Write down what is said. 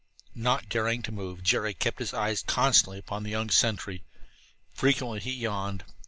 Not daring to move, Jerry kept his eyes constantly upon the young sentry. Frequently he yawned.